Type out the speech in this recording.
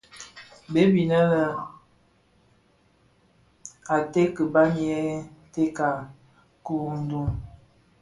Bêp inê i tèka kibàm yêê tèka kurundùng.